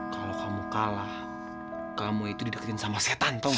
kalau kamu kalah kamu itu didekatin sama setan tau gak